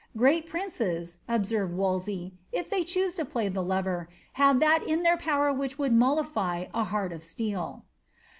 ^ Great princes," observed Wolsey, ^ if they chooae to play the lover, have that in their power which would mollify a heart of steel."